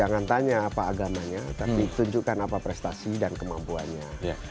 jangan tanya apa agamanya tapi tunjukkan apa prestasi dan kemampuannya